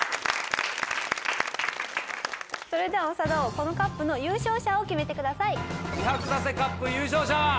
それでは長田王このＣＵＰの優勝者を決めてください。